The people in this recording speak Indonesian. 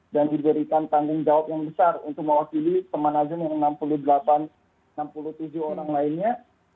dan diberikan tanggung jawab yang besar untuk mewakili teman adzan yang enam puluh delapan enam puluh tujuh orang lainnya